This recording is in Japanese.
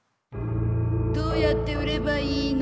どうやって売ればいいの？